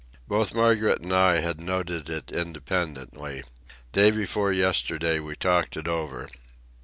Both Margaret and I had noted it independently. Day before yesterday we talked it over.